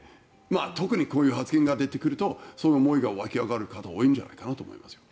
特にこういう発言が出てくるとその思いが湧き上がる方多いんじゃないかなと思います。